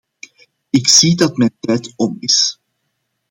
Ik zie dat mijn tijd om is.